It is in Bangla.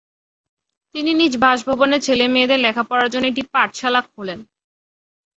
তিনি নিজ বাসভবনে ছেলেমেয়েদের লেখাপড়ার জন্য একটি পাঠশালা খোলেন।